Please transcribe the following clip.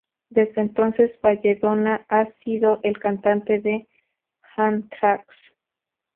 Desde entonces, Belladonna ha sido el cantante de Anthrax.